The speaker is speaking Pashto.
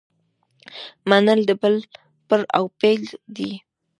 منل د بل پړاو پیل دی.